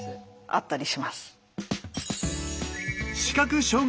あったりします。